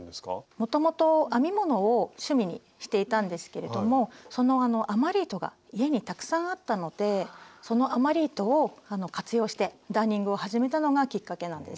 もともと編み物を趣味にしていたんですけれどもその余り糸が家にたくさんあったのでその余り糸を活用してダーニングを始めたのがきっかけなんです。